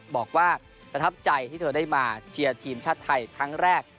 บอกว่าประทับใจที่เธอได้มาเชียร์ทีมชาติไทยครั้งแรก